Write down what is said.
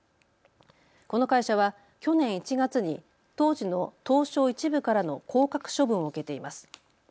この会社は去年１月に当時の東証１部からの降格処分を受けています。